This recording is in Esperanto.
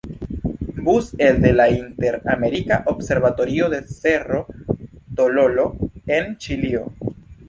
Bus elde la Inter-Amerika observatorio de Cerro Tololo en Ĉilio.